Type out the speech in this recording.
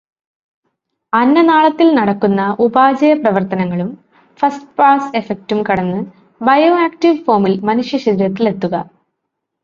അന്നനാളത്തിൽ നടക്കുന്ന ഉപാപചയ പ്രവർത്തനങ്ങളും ഫസ്റ്റ് പാസ് എഫക്റ്റും കടന്നു ബയോആക്റ്റീവ് ഫോമിൽ മനുഷ്യശരീരത്തിൽ എത്തുക.